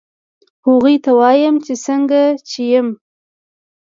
هغوی ته وایم چې څنګه چې یم